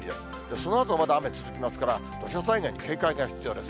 そのあとまだ雨続きますから、土砂災害に警戒が必要です。